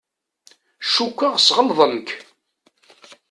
Cukkeɣ sɣelḍen-k.